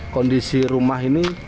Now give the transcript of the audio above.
kondisi rumah ini